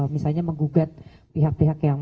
misalnya menggugat pihak pihak yang